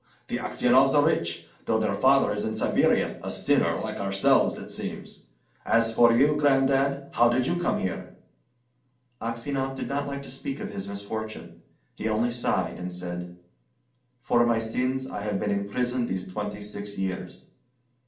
The Aksionovs are rich, though their father is in Siberia: a sinner like ourselves, it seems! As for you, Gran'dad, how did you come here?" Aksionov did not like to speak of his misfortune. He only sighed, and said, "For my sins I have been in prison these twenty six years."